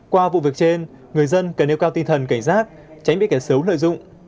qua vụ việc trên người dân cần nêu cao tinh thần cảnh giác tránh bị kẻ xấu lợi dụng